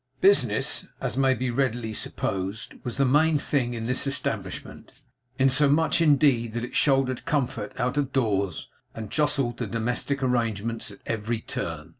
Business, as may be readily supposed, was the main thing in this establishment; insomuch indeed that it shouldered comfort out of doors, and jostled the domestic arrangements at every turn.